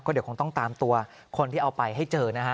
เดี๋ยวคงต้องตามตัวคนที่เอาไปให้เจอนะฮะ